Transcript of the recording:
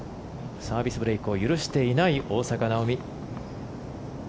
サービスブレークを許していない大坂なおみ。